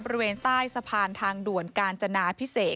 บริเวณใต้สะพานทางด่วนกาญจนาพิเศษ